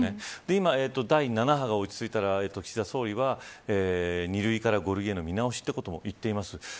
今、第７波が落ち着いたら岸田総理は２類から５類への見直しということもいっています。